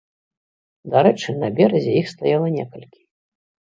Дарэчы, на беразе іх стаяла некалькі.